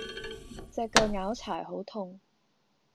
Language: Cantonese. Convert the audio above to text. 隻腳拗柴好痛